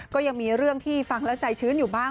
ก็ยังมีเรื่องที่ฟังแล้วใจชื้นอยู่บ้าง